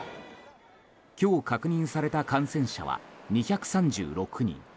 今日確認された感染者は２３６人。